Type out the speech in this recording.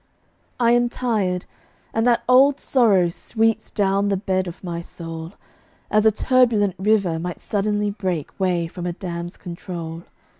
I am tired; and that old sorrow Sweeps down the bed of my soul, As a turbulent river might sudden'y break way from a dam's control.